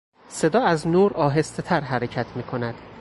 صدا از نور آهستهتر حرکت میکند.